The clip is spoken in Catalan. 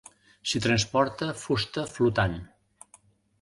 S'hi transporta fusta flotant.